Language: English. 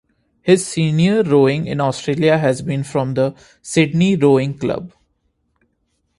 His senior rowing in Australia has been from the Sydney Rowing Club.